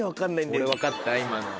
俺分かった今の。